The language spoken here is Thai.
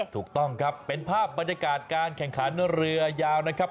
ถูกต้องครับเป็นภาพบรรยากาศการแข่งขันเรือยาวนะครับ